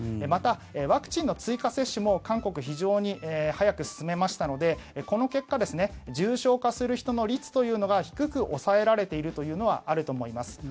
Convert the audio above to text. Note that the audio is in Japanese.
また、ワクチンの追加接種も韓国、非常に早く進めましたのでこの結果、重症化する人の率というのが低く抑えられているというのはあると思います。